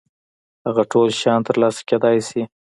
هغه ټول شيان تر لاسه کېدای شي.